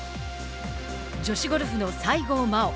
女子ゴルフの西郷真央。